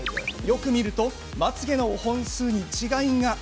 よく見るとまつげの本数に違いが。